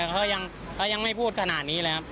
แต่เขายังไม่พูดขนาดนี้เลยครับ